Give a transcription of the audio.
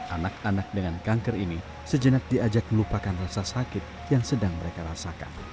anak anak dengan kanker ini sejenak diajak melupakan rasa sakit yang sedang mereka rasakan